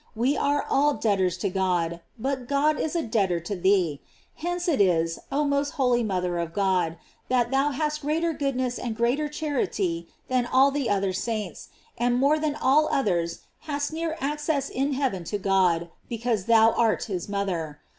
We are all debtors to God, but God is a debtor to thee. Hence it is, oh most holy mother of God, that thou hast greater goodness and greater charity than all the other saints, and more than all others hast near access in heaven to God, because thou art his mother.